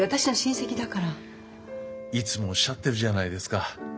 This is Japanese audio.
いつもおっしゃってるじゃないですか。